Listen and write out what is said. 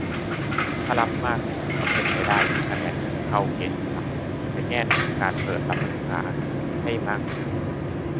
ถ้ารับมากก็เป็นได้ที่คะแนนที่จะเข้าเกณฑ์จะต่ำลง - ในแง่หนึ่ง การเปิดรับนักศึกษาให้มากขึ้น